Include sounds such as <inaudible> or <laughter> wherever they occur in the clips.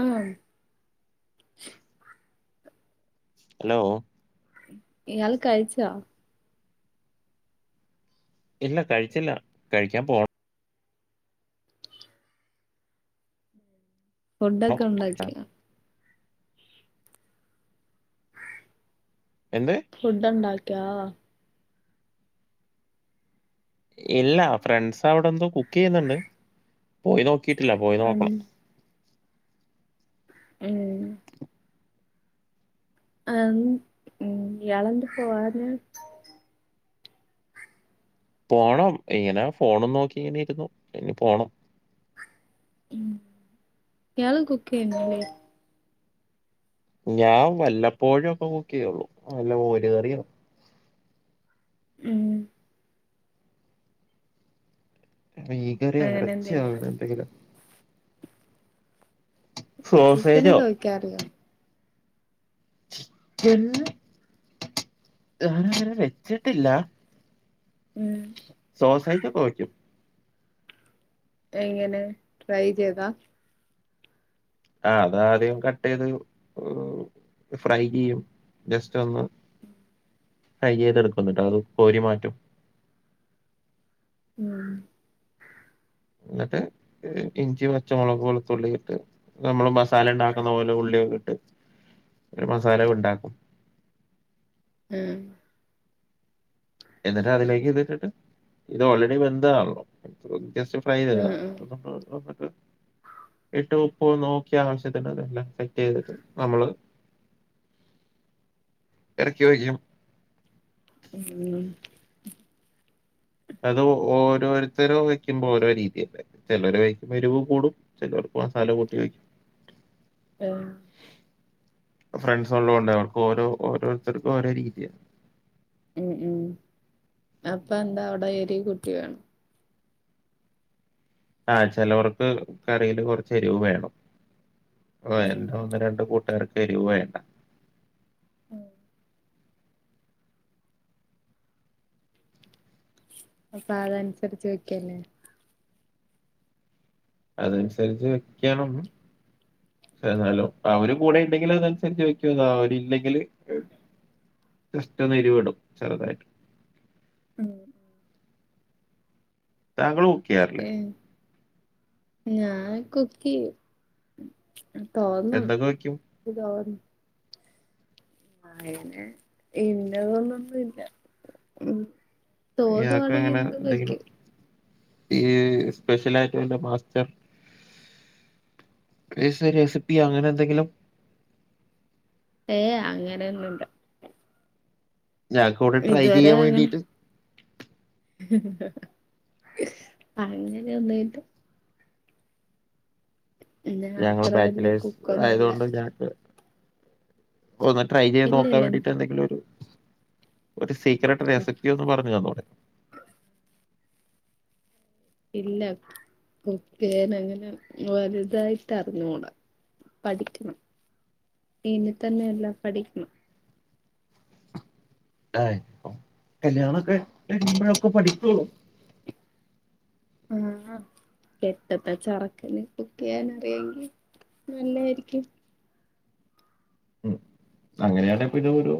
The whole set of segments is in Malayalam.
ആ ഹലോ ഇയാള് കഴിച്ചോ ഇല്ല കഴിച്ചില്ല കഴിക്കാൻ പോണ ഫുഡൊക്കെ ഒണ്ടാക്കിയാ എന്ത് ഫുഡ് ഒണ്ടാക്കിയോ ഇല്ല ഫ്രണ്ട്സവിടെന്തോ കുക്ക് ചെയ്യുന്നുണ്ട് പോയി നോ കിട്ടില്ല പോയി ഉം നോക്കണം ഉം ആ ഇയാളെന്താ പോവാഞ്ഞെ പോണം ഇങ്ങനെ ഫോണും നോക്കി ഇങ്ങനെ ഇരുന്നു ഇനി പോണം ഉം ഇയാളും കുക്കെയ്യണോല്ലേ ഞാൻ വല്ലപ്പോഴും ഒക്കെ കുക്ക് ചെയ്യൊള്ളു വല്ല മോര് കറിയോ ഉം ഭീകര അങ്ങനെ എന്തേലും എറച്ചിയാവണെന്തെങ്കിലും സോസേജോ ചിക്കനൊക്കെ വെക്കാറിയോ ചിക്കൻ ഞാനങ്ങനെ വെച്ചിട്ടില്ല ഉം സോസേജൊക്കെ വെക്കും എങ്ങനെ ട്രൈ ചെയ്താ ആ അതാദ്യം കട്ട് ചെയ്ത് ഫ്രൈ ചെയ്യും ജസ്റ്റ് ഒന്ന് ഫ്രൈ ചെയ്തെടുക്കും ന്ന്ട്ടത് കോരി മാറ്റും ഉം എന്നിട്ട് ഇഞ്ചി പച്ചമുളക് വെളുത്തുള്ളി ഇട്ട് നമ്മള് മസാല ഉണ്ടാക്കുന്ന പോലെ ഉള്ളി ന്നിട്ട് ഒരു മസാല ഉണ്ടാക്കും ഉം എന്നിട്ട് അതിലേക്ക് ഇതിട്ടിട്ട് ഇത് ഓൾറെഡി വെന്തതാണല്ലോ ജെസ്റ്റ് ഫ്രൈ ചെയ്ത ഉം ഉം എടുക്ക ഇട്ട് ഉപ്പ് നോക്കിയ ആവശ്യത്തിന്ല്ലാം സെറ്റ് ചെയ്തിട്ട് നമ്മള് ഇറക്കി വെക്കും ഉം അത് ഓരോരുത്തര വെക്കുമ്പോ ഓരോ രീതിയല്ലേ ചിലർ വയ്ക്കുമ്പോ എരിവ് കൂടും ചിലർ മസാല കൂട്ടി വയ്ക്കും ആ ഫ്രണ്ട്സ ഉള്ളത് കൊണ്ട് അവർക്ക് ഓരോ ഓരോരുത്തർക്കും ഓരോ രീതിയാണ് ഉം ഉം അപ്പൊ എന്താ അവിടെ എരിവ്കൂട്ടി വേണം ആഹ ചിലവർക്ക് കറിയില് കൊറച്ച് എരിവ് വേണം ആ ഉം എന്റെ ഉം ഒന്ന് രണ്ട് കൂട്ടുകാർക്ക് എരിവ് വേണ്ട ഉം അപ്പൊ അതനുസരിച്ച് വെക്കല്ലേ അതനുസരിച്ച് വെക്കണം എന്നാലും അവര് കൂടെ ഇണ്ടെങ്കിൽ അതനുസരിച്ച് വെക്കും അവര്ഇ ല്ലെങ്കില് ജസ്റ്റഒന്ന് എരിവിടും ചെറുതായിട്ട് ഉം താങ്കൾ കുക്കിയാറില്ലേ ഏഹ് ഞാൻ കുക്കിയും തോന്നും എന്തൊക്കെ വെക്കും ഇത് തോന്നു ആയിന്നെ ഇന്നതൊന്നൊന്നുംഇല്ല ഉം ഇയാൾക്ക് തോന്നുവാണെങ്കിൽ അങ്ങനെ എന്തും എന്തെങ്കിലും വയ്ക്കും ഈ സ്പെഷ്യലായിട്ടും എന്റെ മാസ്റ്റർ ഈസി റെസിപ്പി അങ്ങനെ എന്തെങ്കിലും ഏ അങ്ങനെയൊന്നുംഇല്ല ഞങ്ങക്ക് ഇവിടെ ട്രൈ ഇതുവരെ ചെയ്യാൻ വേണ്ടീട്ട് അങ്ങനെ ഒന്നും ഇല്ല ഞാൻ ഞങ്ങൾ അത്ര വല്യ ബാച്ചലേഴ്സ് കുക്കൊന്നുല്ല ആയതുകൊണ്ട് ഞങ്ങക്ക് ഒന്ന്ട്രൈ ചെയ്യത് നോക്കാൻ ഇല്ലല്ല വേണ്ടീട്ട് എന്തങ്കിലും ഒരു ഒരു സീക്രറ്റ് റസ്പ്പി ഒന്ന് പറഞ്ഞു തന്നോടെ ഇല്ല കൊക്ക് അങ്ങനെ വലുതായിട്ട് അറിഞ്ഞൂടാ പഠിക്കണം ഇനി തന്നെയ എല്ലാം പഠിക്കണം ആ കല്യാണംഒക്കെ ഇമ്മഴൊക്കെ പഠിക്കോളു ആഹ പെട്ടത്തെ ചറക്കന് കുക്കി ചെയ്യാൻ അറിയെങ്കിൽ നല്ലായിരിക്കും ഉം അങ്ങനെയാണ് ഇപ്പൊ ഇത ഒരു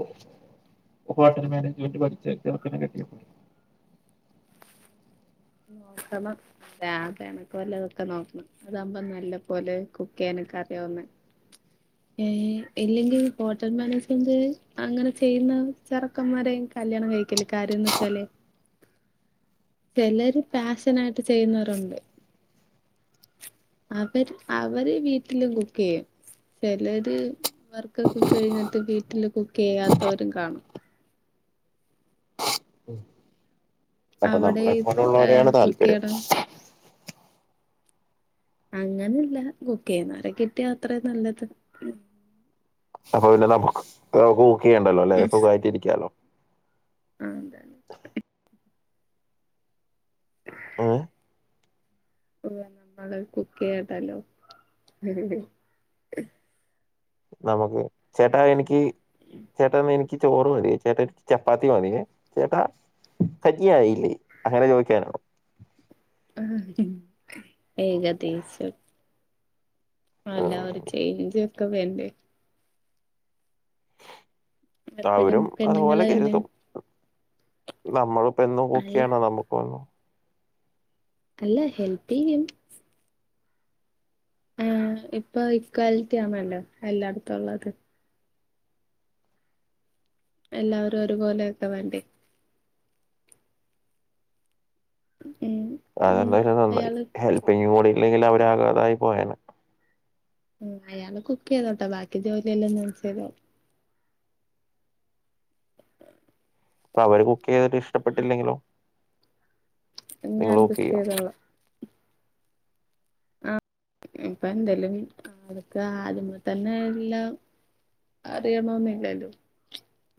ഹോട്ടൽ മാനേജ്മെന്റ് പഠിച്ച ചർക്കെനെ കെട്ടിയപ്പോരെ നോക്കണം വല്ലതൊക്കെ നോക്കണം അതാകുമ്പ നല്ല പോലെ കുക്ക് ചെയ്യാന റിയാവുന്നെ ഏ ഇല്ലെങ്കിൽ ഹോട്ടൽ മാനേജ്മെന്റ് അങ്ങനെ ചെയ്യുന്ന ചെറക്കന്മാര കല്യാ കഴിക്കല് കാര്യംന്ന് വച്ചാലേ ചിലര് ഫാഷന് ആയിട്ട് ചെയ്യുന്നവരുണ്ട് അവര് അവര് വീട്ടിലും കുക്ക് ചെയ്യും ചിലര് വർക്കൊക്കെ കഴിഞ്ഞിട്ട് വീട്ടില് കുക്ക് ചെയ്യാത്തവരും കാണും അപ്പൊ അവിടെ നമ്മളെ പോലെുള്ളവരെയാണ് കുക്ക് താല്പര്യം ചെയ്യണം അങ്ങനെല്ല കുക്ക് ചെയ്യുന്നവര കിട്ടിയ അത്ര നല്ലത് അപ്പൊ പിന്നെ നമുക്ക് കുക്ക് ചെയ്യണ്ടല്ലോ അല്ലെ ഉം സുഖമായിട്ടിരിക്കാലോ ആ അതെ ഏ ഓ നമ്മള് കുക്കെയ്താലോ ഹ്-ഹ്-ഹ്-ഹ് നമുക്ക് ചേട്ടാ എനിക്ക് ചേട്ടാ ഒന്നെനിക്ക് ക്ക് ചോറ് മതിയെ ചേട്ടാ എനിക്ക് ചപ്പാത്തി മതിയെ ചേട്ടാ കറ്റീവായില്ലേ അങ്ങനെ ചോയിക്കാനാണോ ആ ഏ ഏകദേശം ആല്ല ഒരു ഉം ചേഞ്ചൊക്കെ വേണ്ടേ എപ്പഴും തവരും അതുപോലെ പെണ്ണുങ്ങള് തന്നെ കരുതും നമ്മളിപ്പെന്നും അൽ കുക്കെയ്യണാ നമുക്ക് വന്നു അല്ല ഹെൽപ്പെയ്യും ആ ഇപ്പൊ ഇക്വാലിറ്റി ആണല്ലോ എല്ലാടത്തുള്ളത് എല്ലാവരും ഒരുപോലെയൊക്കെ വേണ്ടെ ഉം ഉം അതെന്താലും നന്നായി അയാള് ഹെൽപ്പിംഗുംകൂടി ഇല്ലെങ്കിൽ അവരാകെ ഇതായി പോയേനെ ഉം അയാള് കുക്കെയ്തോട്ടെ ബാക്കി ജോലിയെല്ലാം ഞാൻചെയ്തോളാം അപ്പൊ അവര് കുക്കെയ്തിട്ട് ഇഷ്ടപ്പെട്ടില്ലെങ്കിലോ നിങ്ങൾ ഞാൻ കുക്ക് ചെയ്യോ കുക്കെയ്തോളാം ആഹ് ഇപ്പൊ എന്തേലും അതൊക്കെ ആദ്യമേ തന്നെ എല്ലാം അറിയണോന്നില്ലല്ലോ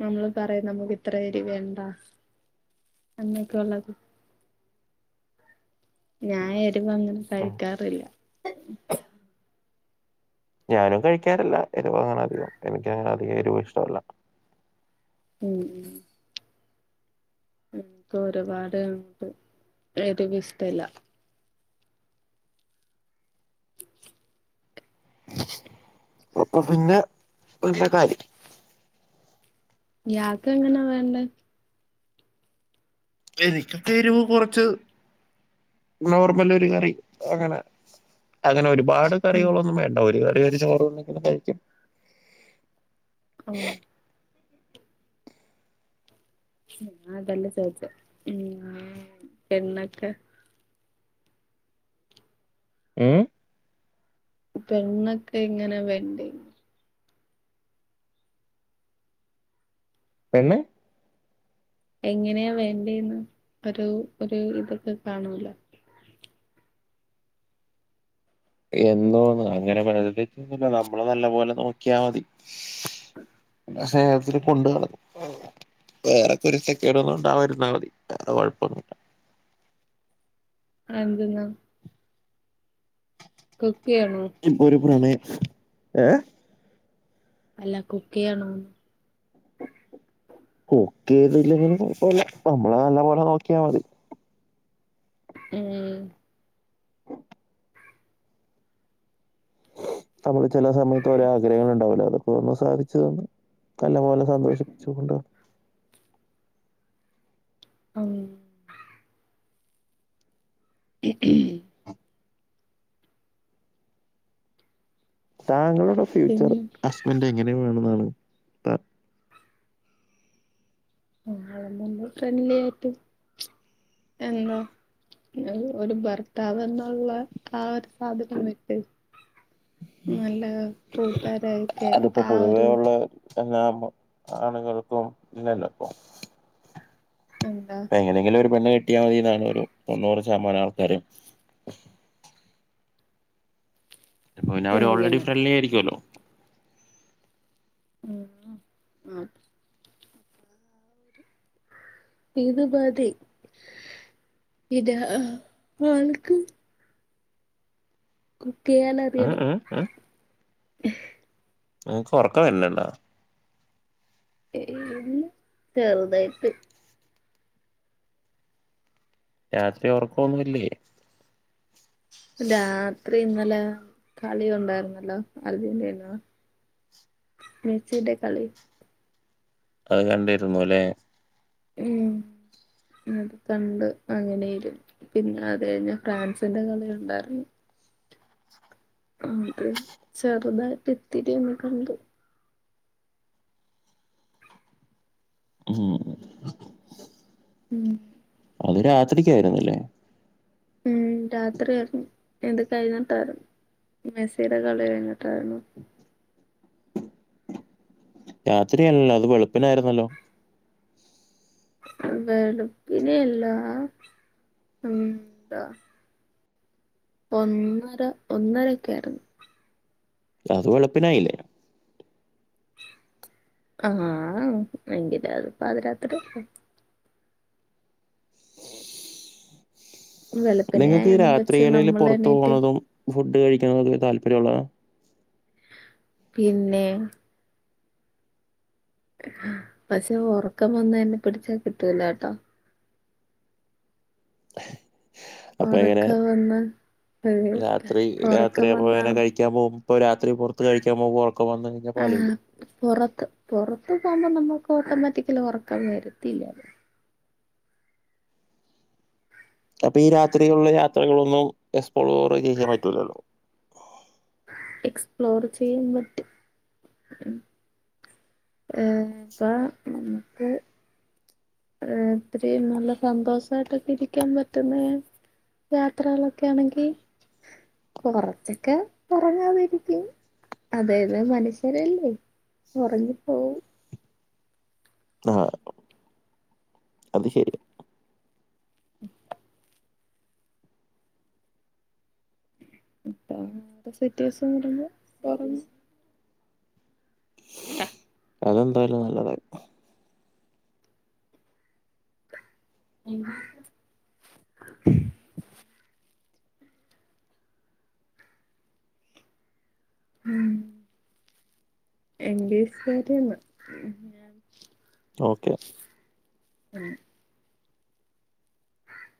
നമ്മള് പറയും നമുക്ക് ഇത്രേരിവ് വേണ്ട എന്നൊക്കുള്ളത് ഞാൻ എരുവങ്ങനെ ഉം കഴിക്കാറില്ല ഞാനും കഴിക്കാറില്ല എരുവങ്ങനധികം എനിക്കങ്ങനെ അധികം എരുവും ഇഷ്ടല്ല ഉം ഉം എനിക്ക് ഒരുപാടങ്ങ്ണ്ട് എരിവിഷ്ടല്ല അപ്പൊ പിന്നെ എന്താ കാര്യം ഇയ്യാക്കെങ്ങനാ വേണ്ടേ എനിക്കൊക്കെ എരുവ് കൊറച്ച് നോർമലൊരു കറി അങ്ങനെ അങ്ങനൊരു ഒരുപാട് ഉം കറികളൊന്നും വേണ്ട ഒരു കറി ഒരു ചോറ്ണ്ടെങ്കിലും കഴിക്കും ഉം ഞാ അതല്ല ചോദിച്ചേ ഉം ആ പെണ്ണൊക്കെ ഏ പെണ്ണൊക്കെങ്ങനെ വേണ്ടേ പെണ്ണ് എങ്ങനെയാ വേണ്ടേന്ന് ഒരു ഒരു ഇതൊക്കെ കാണൂലെ എന്തോന്ന് അങ്ങനെ പറയാനായിട്ടൊന്നുല്ല നമ്മളെ നല്ലപോലെ നോക്കിയാ മതി ആ സ്നേഹത്തില് കൊണ്ട് നടക്കും വേറെ പൊരുത്തക്കേടുകൾ ഉണ്ടാവാതിരുന്നാ മതി വേറെ കൊഴപ്പൊന്നുല്ല അതെന്ത്ന്നാ കുക്കെയ്യണോ ഏ അല്ല കുക്കെയ്യണോന്ന് കുക്കെയ്തില്ലെങ്കിലും കൊഴപ്പില്ല നമ്മളെ നല്ലപോലെ നോക്കിയാ മതി ഉം നമ്മള് ചെല സമയത്ത് ഒരോ ആഗ്രഹങ്ങളുണ്ടാവില്ലേ അതൊ ന്നു സാധിച്ച്തന്ന് നല്ല പോലെ സന്തോഷിപ്പിച്ച് കൊണ്ടോണം അങ്ങിനിയോ ഹേം-ഹേം താങ്കളുടെ ഫ്യൂച്ചർ പിന്നെ ഹസ്ബന്റ് എങ്ങനെ വേണംന്നാണ് ആള്നല്ല ഫ്രണ്ട്ലിയായിട്ട് എന്തോ ഒരു ഭർത്താവെന്നുള്ള ആ ഒരു സാധനം വിട്ട് നല്ല കൂട്ടാരായിക്കെ ആ ഒരു നല്ലാവുമ്പ ആണുങ്ങൾക്കും ഇല്ലല്ലോ ഇപ്പൊ എന്താ ഇപ്പൊ എങ്ങനെങ്കിലും ഒരു പെണ്ണ് കെട്ടിയാ മതീന്നാണ് ഒരു തൊണ്ണൂറ് ശതമാനം ആൾക്കാരും അപ്പ പിന്നെ അവര് ഓൾറെഡി ചിന്തിക്കണം ഫ്രണ്ട്ലി ആയിരിക്കുവല്ലോ ആ ഇത് മതി ഇത് ആൾക്ക് കുക്കെയ്യാനറിയണം ഏഹ് ഏഹ് ഏഹ് <inaudible> നിങ്ങക്ക് ഒറക്കം വര്ണ്ണ്ടോ ഏയില്ല ചെറുതായിട്ട് രാത്രി ഒറക്കോന്നു ല്ലേ രാത്രി ഇന്നലെ കളികണ്ടായിരുന്നല്ലോ അർജൻ്റീനാ മെസ്സീടെ കളി അത് കണ്ടിരുന്നൂലേ ഉം ഉം കണ്ടു അങ്ങനേയിരുന്ന് പിന്നത് കഴിഞ്ഞ് ഫ്രാൻസിന്റെ കളി കണ്ടാര്ന്നു ആ ത് ചെറുതായിട്ടിത്തിരിയൊന്ന് കണ്ടു ഉം ഉം അത് രാത്രിക്കായിരുന്നില്ലേ ഉം രാത്രി ആയിരുന്നു ഇത് കയ്ഞ്ട്ടായിരുന്നു മെസ്സീടെ കളി കഴിഞ്ഞിട്ട് <unintelligible> രാത്രിയല്ലല്ലോ അത് വെളുപ്പിനായിരുന്നല്ലോ വെളുപ്പിനെയല്ലാ ഉം ന്താ ഒന്നര ഒന്നരയ്ക്കായിരുന്നു അത് വെളുപ്പിനായില്ലേ ആ ഭയങ്കര അത് പാതിരാത്രിയല്ലേ വെളുപ്പിനെ നിങ്ങക്കീ ആയെന്നും വെച്ച് രാത്രികളില് നമ്മള് പൊറത്തു എണീറ്റ് പോണതും ഫുഡ് കഴിക്കണതും താല്പര്യൊള്ളതാ പിന്നേ പക്ഷെ ഒറക്കം വന്നാ എന്നെ പിടിച്ചാ കിട്ടൂലാട്ടോ <inaudible> അപ്പൊ എങ്ങനെ ഒറക്കം വന്നാ രാത്രി രാത്രിയപ്പോ ങ്ങനെ കഴിക്കാൻ പോവും ഇപ്പൊ രാത്രി പൊറത്ത് കഴിക്കാൻ പോവുമ്പ ഒറക്കം വന്നഴിഞ്ഞ പ ആ പൊറത്ത് പൊറത്ത് പോ വുമ്പോ നമ്മക്കോട്ടോമാറ്റിക്കലി ഒറക്കം വരത്തില്ലല്ലോ അപ്പീ രാത്രിയുള്ള യാത്രകളൊന്നും എസ്പ്ളോർ ചെയ്യാൻ പറ്റൂലല്ലോ എക്സ്പ്ലോർ ചെയ്യാൻ പറ്റും ഏ ഇപ്പ നമുക്ക് ഏ ഇത്രയും നല്ല സന്തോഷായിട്ടൊക്കെ ഇരിക്കാൻ പറ്റുന്നേ യാത്രകളൊക്കാണെങ്കി കൊറച്ചൊക്കെ ഒറങ്ങാതിരിക്കും അതായത് മനുഷ്യരല്ലേ ഒറങ്ങി പോവും ആ അത് ശെരിയാ അപ്പോഴത്തെ സിറ്റുവേഷൻ വരുമ്പോ ഒറങ്ങ് അതെന്തായാലും നല്ലതായി <inaudible> ഉം എംബിഎക്കാരിയാന്ന് ഞാൻ ഓക്കെ. ആ